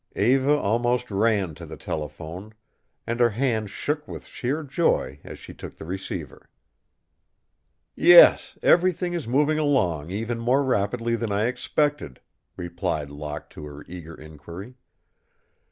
Eva almost ran to the telephone, and her hand shook with sheer joy as she took the receiver. "Yes, everything is moving along even more rapidly than I expected," replied Locke to her eager inquiry.